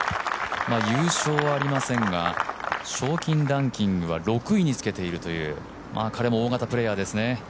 優勝はありませんが賞金ランキングは６位につけているという彼も大型プレーヤーですね。